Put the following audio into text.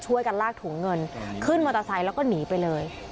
ช่วยกันลากถุงเงินขึ้นมอเตอร์ไซค์แล้วก็หนีไปเลย